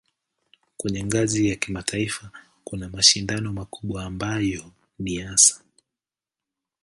Kwenye ngazi ya kimataifa kuna mashindano makubwa ambayo ni hasa